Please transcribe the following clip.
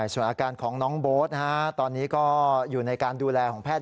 ส่วนอาการของน้องโบ๊ทตอนนี้ก็อยู่ในการดูแลของแพทย์